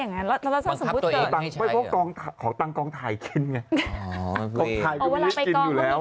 ของผมเธอมาส่งไปเพราะของตังค์กองถ่ายของกองถ่ายก็มีใบลิสกินอยู่แล้ว